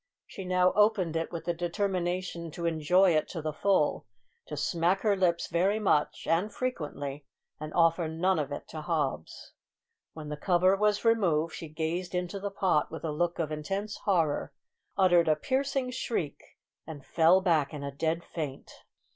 She now opened it with the determination to enjoy it to the full, to smack her lips very much and frequently, and offer none of it to Hobbs. When the cover was removed she gazed into the pot with a look of intense horror, uttered a piercing shriek, and fell back in a dead faint.